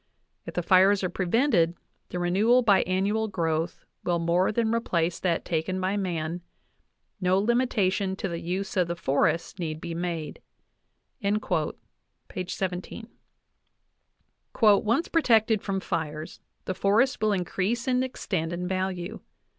... If the fires are* prevented, the renewal by annual growth will more than replace that taken by man. ... No limitation to the use of the forests need be made" (17). "Once protected from fires, the forests will increase in extent and value.